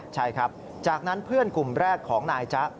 ใช่ครับจากนั้นเพื่อนกลุ่มแรกของนายจ๊ะ